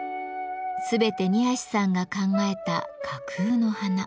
全て二さんが考えた架空の花。